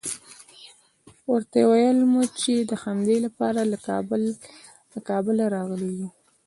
ورته ویل مو چې د همدې لپاره له کابله راغلي یوو.